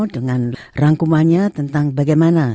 dengan rangkumannya tentang bagaimana